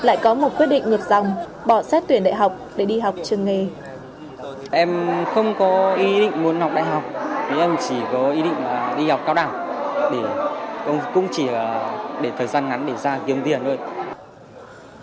em không có ý định muốn học đại học em chỉ có ý định đi học cao đẳng cũng chỉ để thời gian ngắn để ra kiếm tiền thôi